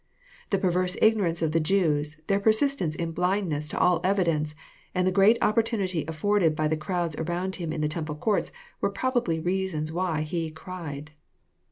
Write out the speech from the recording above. The perverse ignorance of the Jews, their persistence in blind ness to all evidence, and the great opportunity afibrded by the crowds around Him in the temple courts, were probably rea sons why He cried."